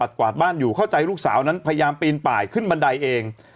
กวาดบ้านอยู่เข้าใจลูกสาวนั้นพยายามปีนป่ายขึ้นบันไดเอง